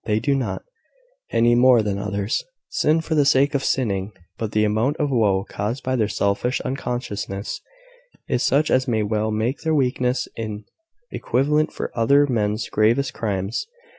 They do not, any more than others, sin for the sake of sinning; but the amount of woe caused by their selfish unconsciousness is such as may well make their weakness an equivalent for other men's gravest crimes.